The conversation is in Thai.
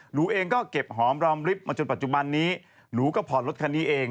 หนูเองก็เก็บหอมรอมลิฟต์มาจนปัจจุบันนี้หนูก็ผ่อนรถคันนี้เอง